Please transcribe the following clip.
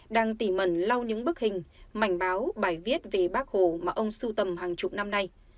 đang tỉ mẩn lau những bức hình ảnh báo bài viết về bác hồ mà ông sưu tầm hàng chục năm nay